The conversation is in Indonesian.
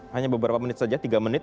hanya beberapa menit saja tiga menit